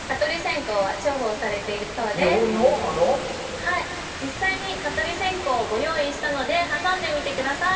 はい実際に蚊取り線香をご用意したので挟んでみてください